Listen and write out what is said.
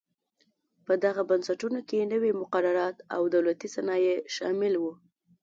په دغو بنسټونو کې نوي مقررات او دولتي صنایع شامل و.